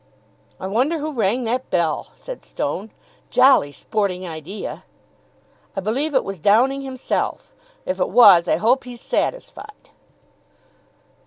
"I wonder who rang that bell!" said Stone. "Jolly sporting idea." "I believe it was Downing himself. If it was, I hope he's satisfied."